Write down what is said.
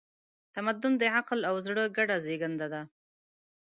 تمدن د عقل او زړه ګډه زېږنده ده.